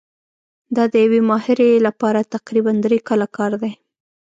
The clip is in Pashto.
دا د یوې ماهرې لپاره تقریباً درې کاله کار دی.